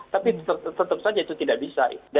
tapi tetap saja itu tidak bisa